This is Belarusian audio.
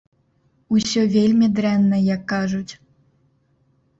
Усё вельмі дрэнна, як кажуць.